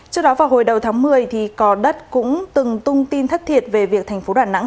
trước đó vào hồi đầu tháng một mươi cò đất cũng từng tung tin thất thiệt về việc thành phố đà nẵng